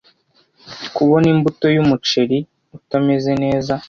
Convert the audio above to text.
kubona imbuto y’umuceri utameze neza